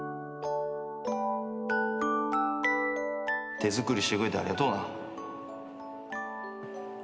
手作りしてくれてありがとうな。